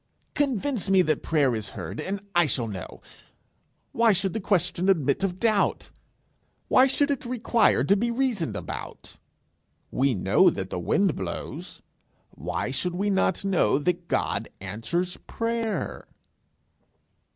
Convince me that prayer is heard, and I shall know. Why should the question admit of doubt? Why should it require to be reasoned about? We know that the wind blows: why should we not know that God answers prayer?'